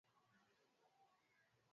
Mkojo mweusi au mwekundu wenye damu